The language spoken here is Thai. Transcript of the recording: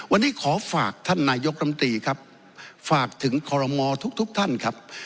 วันนี้ขอฝากท่านนายกรรมตรีครับฝากถึงคอรมอทุกท่านครับ